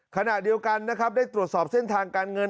ขณะเดียวกันนะครับได้ตรวจสอบเส้นทางการเงิน